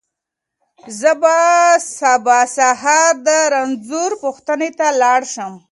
زه به سبا سهار د رنځور پوښتنې ته لاړ شم.